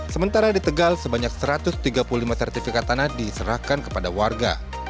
sementara di tegal sebanyak satu ratus tiga puluh lima sertifikat tanah diserahkan kepada warga